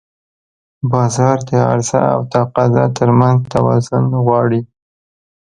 بازار د عرضه او تقاضا ترمنځ توازن غواړي.